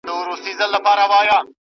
یوه شېبه یې یو څو پلونه نښانه پاته سي